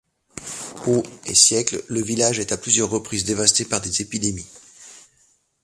Aux et siècles, le village est à plusieurs reprises dévasté par des épidémies.